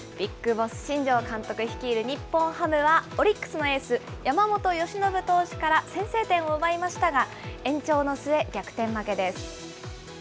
ＢＩＧＢＯＳＳ、新庄監督率いる日本ハムは、オリックスのエース、山本由伸投手から先制点を奪いましたが、延長の末、逆転負けです。